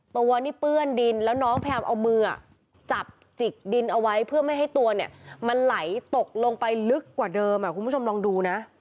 ตัวนี่เปื้อนดินแล้วน้องพยายามเอามือจับจิกดินเอาไว้เพื่อไม่ให้ตัวเนี่ยมันไหลตกลงไปลึกกว่าเดิมคุณผู้ชมลองดูนะ